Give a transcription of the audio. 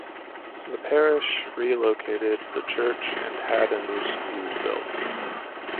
The parish re-located the church and had a new school built.